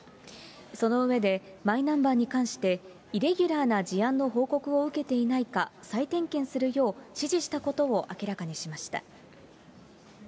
その上で、マイナンバーに関して、イレギュラーな事案の報告を受けていないか、再点検するよう指示したことを明らかにしました。